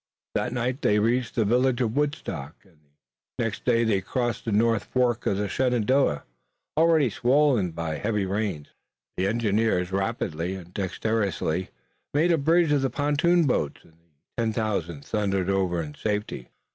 That night they reached the village of Woodstock, and the next day they crossed the north fork of the Shenandoah, already swollen by the heavy rains. The engineers rapidly and dexterously made a bridge of the pontoon boats, and the ten thousand thundered over in safety.